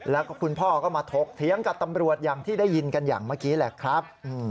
แล้วก็คุณพ่อก็มาถกเถียงกับตำรวจอย่างที่ได้ยินกันอย่างเมื่อกี้แหละครับ